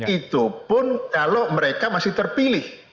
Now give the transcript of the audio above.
itu pun kalau mereka masih terpilih